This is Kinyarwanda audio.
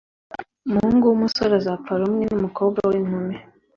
umuhungu w’umusore azapfa rumwe n’umukobwa w’inkumi.